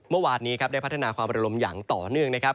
เมื่อวานนี้ครับได้พัฒนาความระลมอย่างต่อเนื่องนะครับ